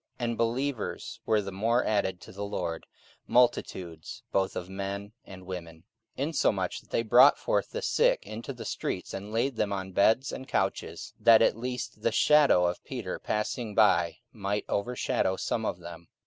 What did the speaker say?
44:005:014 And believers were the more added to the Lord, multitudes both of men and women.) 44:005:015 Insomuch that they brought forth the sick into the streets, and laid them on beds and couches, that at the least the shadow of Peter passing by might overshadow some of them.